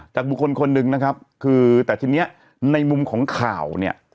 บุคคลคนหนึ่งนะครับคือแต่ทีนี้ในมุมของข่าวเนี่ย